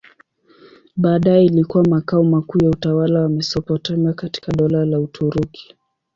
Baadaye ilikuwa makao makuu ya utawala wa Mesopotamia katika Dola la Uturuki.